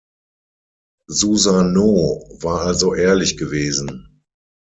Susanoo war also ehrlich gewesen.